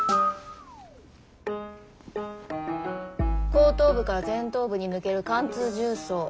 後頭部から前頭部に抜ける貫通銃創。